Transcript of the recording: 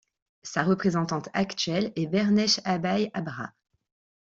Sa représentante actuelle est Bernesh Abay Abrha.